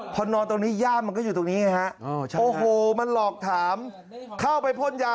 พอนอนตรงนี้ย่ามมันก็อยู่ตรงนี้ไงฮะโอ้โหมันหลอกถามเข้าไปพ่นยา